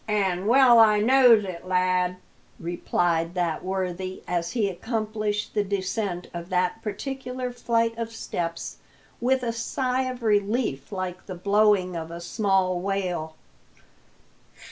"An' well I knows it, lad!" replied that worthy, as he accomplished the descent of that particular flight of steps with a sigh of relief like the blowing of a small whale.